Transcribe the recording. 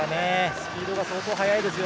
スピードが相当速いですよ。